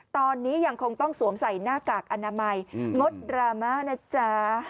ตอนนี้ยังคงต้องสวมใส่หน้ากากอนามัยงดดราม่านะจ๊ะ